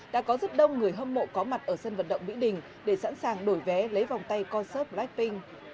đã có rất đông người hâm mộ có mặt ở sân vận động mỹ đình để sẵn sàng đổi vé lấy vòng tay concert blackpink